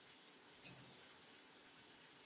原姓为薮田改成薮田。